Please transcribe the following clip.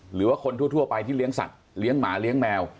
หรือว่าคนทั่วไปที่เลี้ยงสัตว์เลี้ยงหมาเลี้ยงแมว